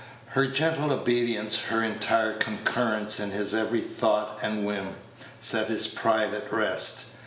Her gentle obedience, her entire concurrence in his every thought and whim, set his pride at rest.